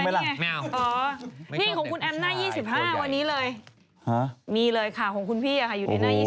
มีเลยของคุณพี่อยู่ข้างหน้า๒๕ไทยรัฐ